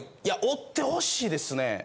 いやおってほしいですね。